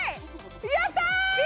やった！